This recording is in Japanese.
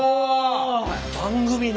番組の！